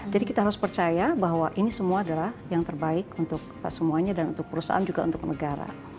jadi kita harus percaya bahwa ini semua adalah yang terbaik untuk semuanya dan untuk perusahaan juga untuk negara